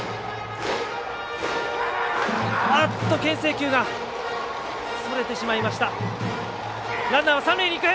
けん制球がそれてしまいました。